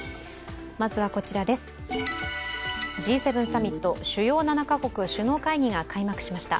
Ｇ７サミット＝主要７か国首脳会議が開幕しました。